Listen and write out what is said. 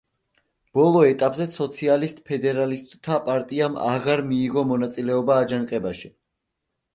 ბოლო ეტაპზე სოციალისტ-ფედერალისტთა პარტიამ აღარ მიიღო მონაწილეობა აჯანყებაში.